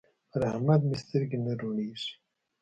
پر احمد مې سترګې نه روڼېږي.